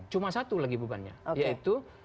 cuma satu lagi bebannya yaitu